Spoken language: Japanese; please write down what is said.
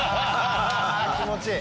気持ちいい！